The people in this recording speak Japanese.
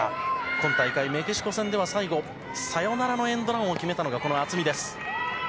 今大会メキシコ戦では最後、サヨナラのエンドランを決めたのが、この渥美です。